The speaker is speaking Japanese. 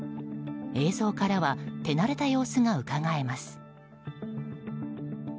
映像からは手慣れた様子がうかがえます。